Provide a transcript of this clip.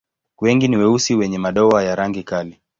Wengi ni weusi wenye madoa ya rangi kali.